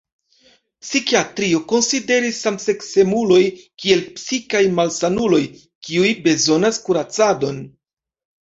Psikiatrio konsideris samseksemuloj kiel psikaj malsanuloj kiuj bezonas kuracadon.